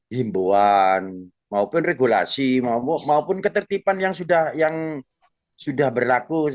himbuan maupun regulasi maupun ketertiban yang sudah berlaku